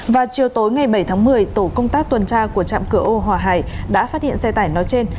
vào chiều tối ngày bảy tháng một mươi tổ công tác tuần tra của trạm cửa âu hòa hải đã phát hiện xe tải nói trên